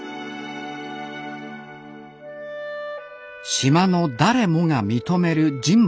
島の誰もが認める人物の証し。